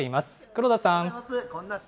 黒田さん。